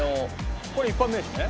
これ一般名称ね。